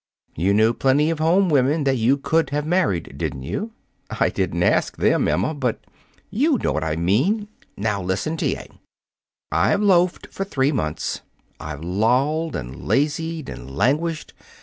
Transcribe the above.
"You knew plenty of home women that you could have married, didn't you?" "I didn't ask them, Emma, but " "You know what I mean. Now listen, T. A.: I've loafed for three months. I've lolled and lazied and languished.